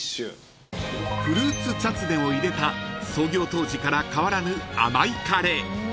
［フルーツチャツネを入れた創業当時から変わらぬ甘いカレー］